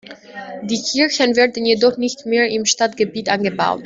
Die Kirschen werden jedoch nicht mehr im Stadtgebiet angebaut.